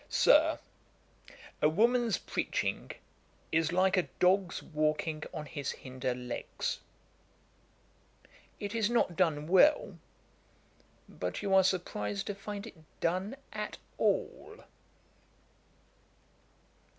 'Sir, a woman's preaching is like a dog's walking on his hinder legs. It is not done well; but you are surprized to find it done at all.'